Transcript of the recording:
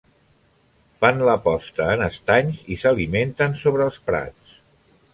Fan la posta en estanys i s'alimenten sobre els prats.